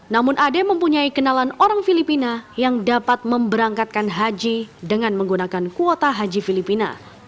namun ade mempunyai kenalan orang filipina yang dapat memberangkatkan haji dengan menggunakan kuota haji filipina